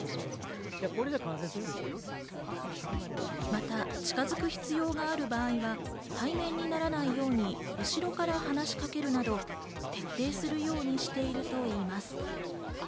また近づく必要がある場合は対面にならないように後ろから話しかけるなど、徹底するようにしているといいます。